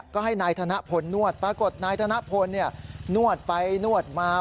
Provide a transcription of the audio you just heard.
ก็ให้นายธนพลนวดปรากฏนายธนพลนวดไปนวดมา